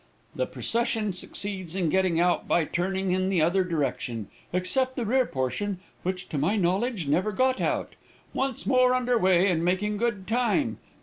The procession succeeds in getting out by turning in the other direction, except the rear portion, which, to my knowledge, never got out. Once more under way, and making good time.